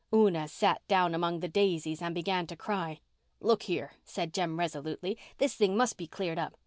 Una sat down among the daisies and began to cry. "Look here," said Jem resolutely, "this thing must be cleared up.